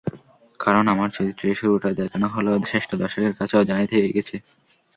কারণ, আমার চরিত্রের শুরুটা দেখানো হলেও শেষটা দর্শকের কাছে অজানাই থেকে গেছে।